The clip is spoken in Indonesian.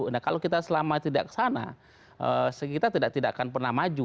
nah kalau kita selama tidak ke sana kita tidak tidak akan pernah maju